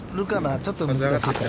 ちょっと難しいかな。